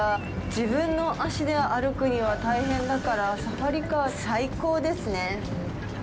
自分の足で歩くには大変だからサファリカー、最高ですね。